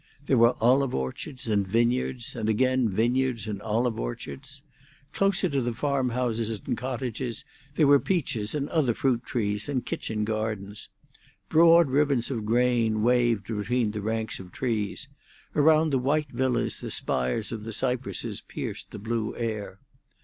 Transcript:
There were olive orchards and vineyards, and again vineyards and olive orchards. Closer to the farm houses and cottages there were peaches and other fruit trees and kitchen gardens; broad ribbons of grain waved between the ranks of trees; around the white villas the spires of the cypresses pierced the blue air.